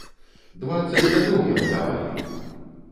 Дваццаць гадоў яму давалі!